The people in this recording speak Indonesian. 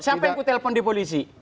siapa yang aku telepon di polisi